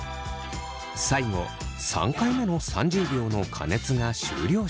最後３回目の３０秒の加熱が終了しました。